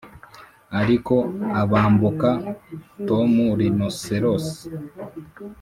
ariko abambuka tom rynosseross